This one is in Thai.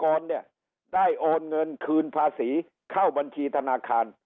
กรมสรรพากรเนี่ยได้โอนเงินคืนภาษีเข้าบัญชีธนาคาร